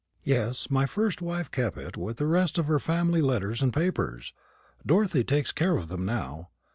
"Yes; my first wife kept it with the rest of her family letters and papers. Dorothy takes care of them now.